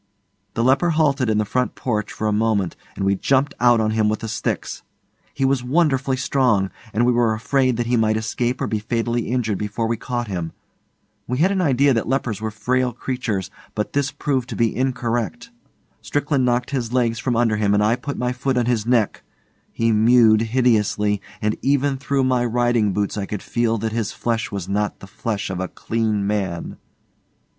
The leper halted in the front porch for a moment and we jumped out on him with the sticks. He was wonderfully strong, and we were afraid that he might escape or be fatally injured before we caught him. We had an idea that lepers were frail creatures, but this proved to be incorrect. Strickland knocked his legs from under him and I put my foot on his neck. He mewed hideously, and even through my riding boots I could feel that his flesh was not the flesh of a clean man.